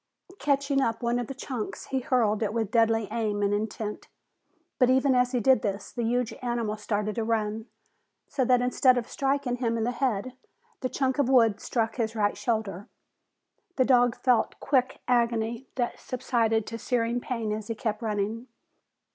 Catching up one of the chunks, he hurled it with deadly aim and intent. But even as he did this, the huge animal started to run, so that instead of striking him in the head, the chunk of wood struck his right shoulder. The dog felt quick agony that subsided to searing pain as he kept running.